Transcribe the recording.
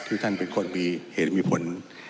ท่านเป็นคนมีเหตุมีผล